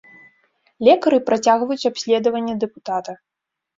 Лекары працягваюць абследаванне дэпутата.